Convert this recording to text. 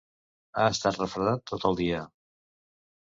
Ha estat refredat tot el dia.